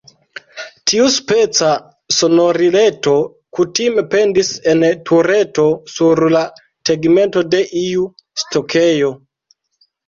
Tiuspeca sonorileto kutime pendis en tureto sur la tegmento de iu stokejo.